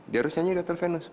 dia harus nyanyi di hotel venus